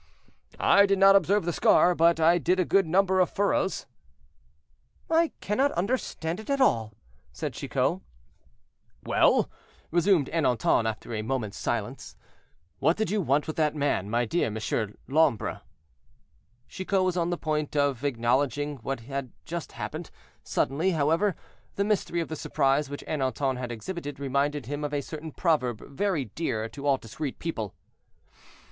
"I did not observe the scar, but I did a good number of furrows." "I cannot understand it at all," said Chicot. "Well," resumed Ernanton, after a moment's silence, "what did you want with that man, my dear Monsieur l'Ombre?" Chicot was on the point of acknowledging what had just happened; suddenly, however, the mystery of the surprise which Ernanton had exhibited, reminded him of a certain proverb very dear to all discreet people.